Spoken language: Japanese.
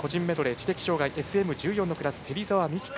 知的障がいＳＭ１４のクラス芹澤美希香